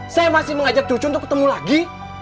saya masih mengajak cucu untuk ketemu lagi